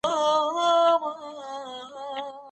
تلویزیون باید په داسې غږ ولګول شي چې نور په عذاب نشي.